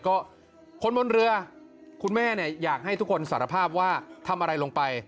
ก็คนบนเรือคุณแม่เนี่ยอยากให้ทุกคนสารภาพว่าทำอะไรลงไป